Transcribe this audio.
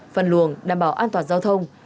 phần luồng đảm bảo an toàn giao thông